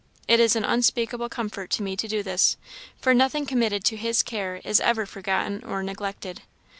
It is an unspeakable comfort to me to do this, for nothing committed to his care is ever forgotten or neglected.